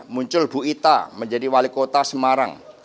muncul bu ita menjadi wali kota semarang